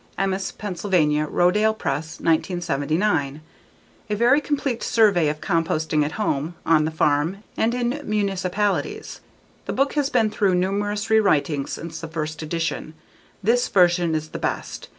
_Emmaus, Pennsylvania: Rodale Press, 1979. A very complete survey of composting at home, on the farm, and in municipalities. The book has been through numerous rewritings since the first edition; this version is the best.